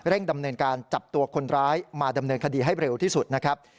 ดำเนินการจับตัวคนร้ายมาดำเนินคดีให้เร็วที่สุดนะครับ